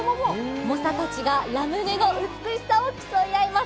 猛者たちがラムネの美しさを競い合います。